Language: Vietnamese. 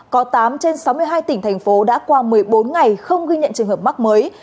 có tám trên sáu mươi hai tỉnh thành phố đã qua một mươi bốn ngày không ghi nhận trường hợp mắc mới